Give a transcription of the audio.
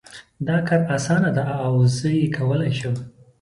دا کار اسانه ده او زه یې کولای شم